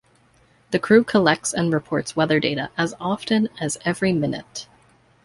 The crew collects and reports weather data as often as every minute.